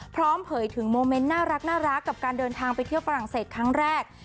เผยถึงโมเมนต์น่ารักกับการเดินทางไปเที่ยวฝรั่งเศสครั้งแรก